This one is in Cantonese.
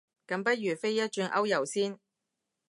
咁不如飛一轉歐遊先